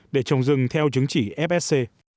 để trồng rừng theo chứng chỉ fsc